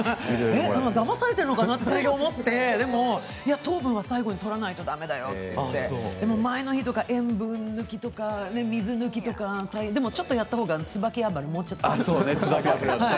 だまされてるのかな最初思ってでも糖分は最後にとらないとだめだよと言って、でも前の日塩分抜きとか水抜きとか大変でもちょっとやった方が椿油もちょっとね。